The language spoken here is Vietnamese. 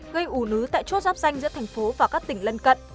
gây ủ nứ tại chốt giáp danh giữa thành phố và các tỉnh lân cận